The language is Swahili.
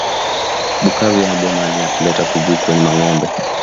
Bukavu yabo mali ya kuleta ku bukwe ni mangombe